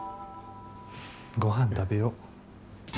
ごはん食べよ。